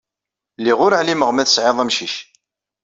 Lliɣ ur ɛlimeɣ ma tesɛiḍ amcic.